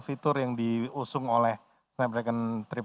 fitur yang diusung oleh snapdragon delapan ratus delapan puluh delapan